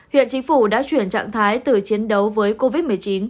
hiện chính phủ đã chuyển trạng thái từ chiến đấu với covid một mươi chín